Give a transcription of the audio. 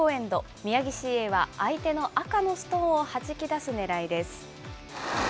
宮城ＣＡは相手の赤のストーンをはじき出すねらいです。